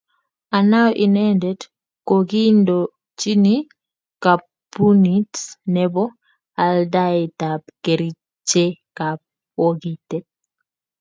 Anao inendet kokiindochin kampunit nebo aldaetab kerichekab bogitet